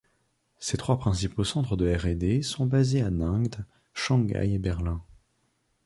Ses trois principaux centres de R&D sont basés à Ningde, Shanghai et Berlin.